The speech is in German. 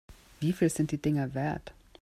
Wie viel sind die Dinger wert?